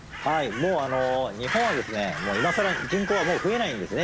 もう今更人口はもう増えないんですね